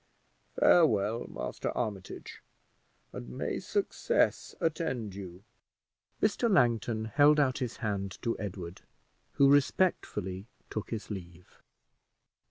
Farewell, Master Armitage, and may success attend you!" Mr. Langton held out his hand to Edward, who respectfully took his leave.